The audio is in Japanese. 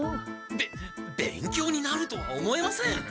べっ勉強になるとは思えません。